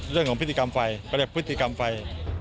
เรื่องของพฤติกรรมไฟก็เรียกพฤติกรรมไฟ